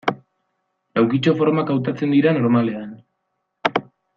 Laukitxo formak hautatzen dira normalean.